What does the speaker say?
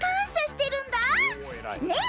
ねえ？